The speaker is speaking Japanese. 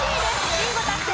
ビンゴ達成！